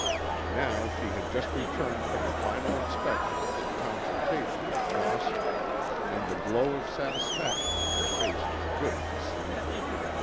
Now she had just returned from a final inspection and consultation with Dawson. And the glow of satisfaction on her face was good to see.